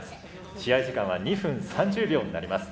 試合時間は２分３０秒になります。